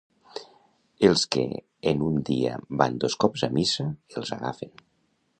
Els que en un dia van dos cops a missa, els agafen.